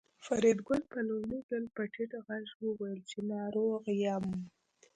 فریدګل په لومړي ځل په ټیټ غږ وویل چې ناروغ یم